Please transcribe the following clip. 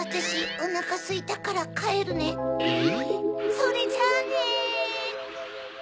それじゃあね。